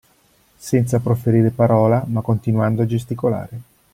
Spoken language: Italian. Senza proferire parola ma continuando a gesticolare.